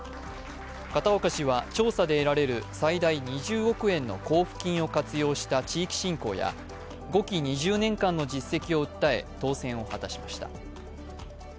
片岡氏は調査で得られる最大２０億円の交付金を活用した地域振興や５期２０年間の実績を訴え当選を果たしました。